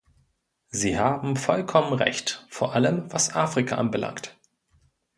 Sie haben vollkommen Recht, vor allem, was Afrika anbelangt.